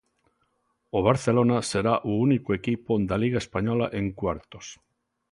O Barcelona será o único equipo da Liga española en cuartos.